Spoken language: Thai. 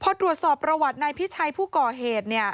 พอตรวจสอบประวัตินายพิชัยผู้ก่อเหตุ